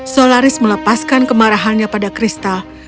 solaris melepaskan kemarahannya pada kristal